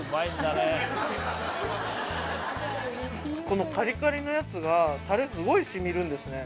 このカリカリのやつがタレスゴイ染みるんですね